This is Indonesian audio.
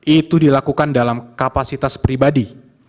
itu dilakukan dalam kapasitas pribadi